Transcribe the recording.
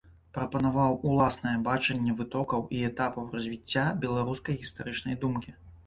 Прапанаваў уласнае бачанне вытокаў і этапаў развіцця беларускай гістарычнай думкі.